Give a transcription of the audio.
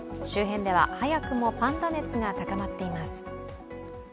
周辺では早くもパンダ熱が高まっています。